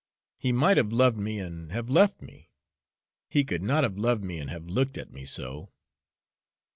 He might have loved me and have left me he could not have loved me and have looked at me so!"